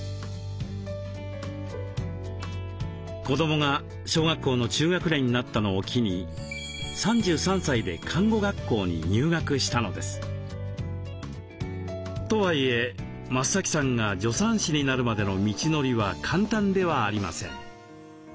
子どもが小学校の中学年になったのを機にとはいえ増さんが助産師になるまでの道のりは簡単ではありません。